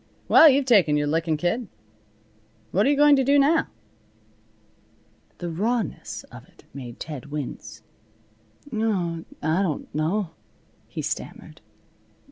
"Well, you've taken your lickin', kid. What you going to do now?" The rawness of it made Ted wince. "Oh, I don't know," he stammered.